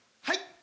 はい。